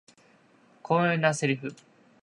辛辣なセリフ